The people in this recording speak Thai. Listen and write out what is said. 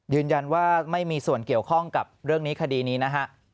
ยืนยันว่าไม่มีส่วนเกี่ยวข้องกับเรื่องนี้คดีนี้นะฮะ